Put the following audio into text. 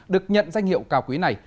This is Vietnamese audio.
được nhận danh hiệu cao quý này